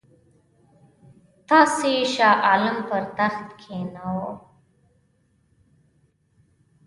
تاسي شاه عالم پر تخت کښېناوه.